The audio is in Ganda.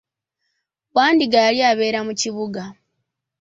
Wandiga yali abeera mu kibuga.